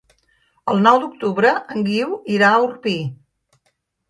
El nou d'octubre en Guiu irà a Orpí.